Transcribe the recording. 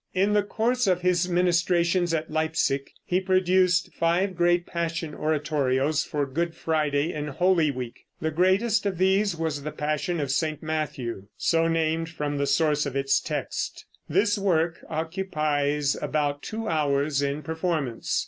In the course of his ministrations at Leipsic he produced five great Passion oratorios for Good Friday in Holy Week. The greatest of these was the Passion of St. Matthew, so named from the source of its text. This work occupies about two hours in performance.